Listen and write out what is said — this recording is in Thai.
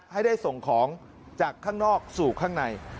ให้ได้ส่งของจากข้างนอกสู่ข้างใน